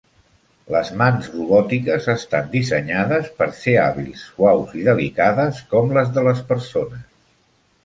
Les mans robòtiques estan dissenyades per ser hàbils, suaus i delicades com les de les persones.